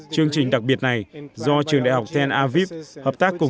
chương trình đặc biệt này do trường đại học ten arvin hợp tác cùng trung tâm đại học ten arvin